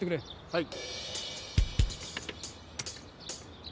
はい。